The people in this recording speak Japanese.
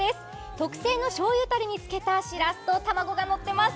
特製のしょうゆたれに漬けたしらすと卵がのっています。